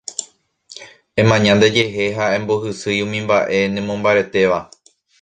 Emaña ndejehe ha embohysýi umi mba'e nemombaretéva